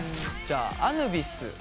じゃああぬビス。